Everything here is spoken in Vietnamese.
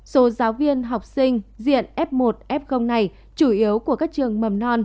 số giáo viên học sinh diện f một f này chủ yếu của các trường mầm non